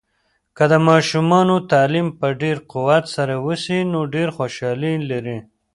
که د ماشومانو تعلیم په ډیر قوت سره وسي، نو ډیر خوشحالي لري.